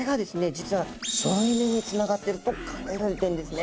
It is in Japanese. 実は省エネにつながってると考えられてるんですね。